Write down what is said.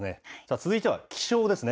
続いては気象ですね。